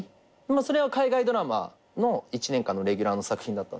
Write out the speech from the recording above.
それは海外ドラマの１年間のレギュラーの作品だったんですけど。